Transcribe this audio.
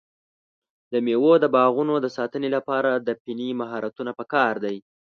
د مېوو د باغونو د ساتنې لپاره د فني مهارتونو پکار دی.